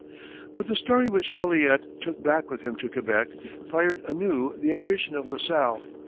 But the story which Joliet took back with him to Quebec fired anew the ambition of La Salle.